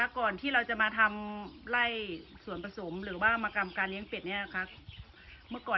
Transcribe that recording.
ก่อนที่เราจะมาทำไล่ส่วนผสมหรือว่ามากรรมการเลี้ยงเป็ดเนี่ยครับเมื่อก่อน